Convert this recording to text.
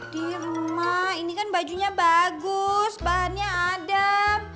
diam ini kan bajunya bagus bahannya adem